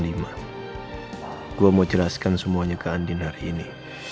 gue mau jelaskan semuanya ke andin hari ini